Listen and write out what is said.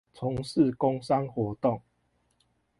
從事工商活動